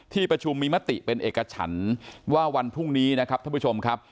ที่ประชุมมีมติเป็นเอกฉันว่าวันพรุ่งนี้นะครับท่านผู้ชมครับ